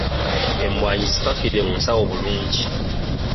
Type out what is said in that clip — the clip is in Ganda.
Emwanyi zipakire mu nsawo bulungi.